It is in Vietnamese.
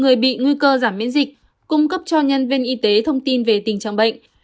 người bị nguy cơ giảm miễn dịch cung cấp cho nhân viên y tế thông tin về tình trạng bệnh